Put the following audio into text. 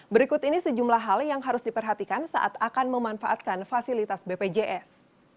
berikut ini sejumlah hal yang harus diperhatikan saat akan memanfaatkan fasilitas bpjs